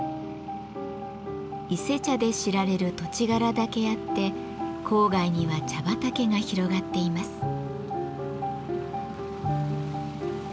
伊勢茶で知られる土地柄だけあって郊外には茶畑が広がっています。